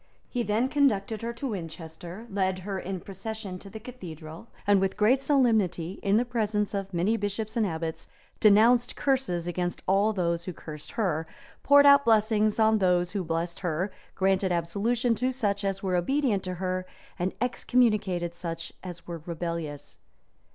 He then conducted her to Winchester, led her in procession to the cathedral, and with great solemnity, in the presence of many bishops and abbots, denounced curses against all those who cursed her, poured out blessings on those who blessed her granted absolution to such as were obedient to her, and excommunicated such as were rebellious.